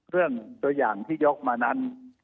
เรื่องตัวอย่างที่ยกมานั้น